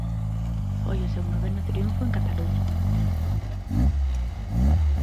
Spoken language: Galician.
Foi o seu noveno triunfo en Cataluña.